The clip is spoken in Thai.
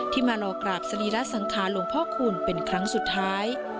มารอกราบสรีระสังขารหลวงพ่อคูณเป็นครั้งสุดท้าย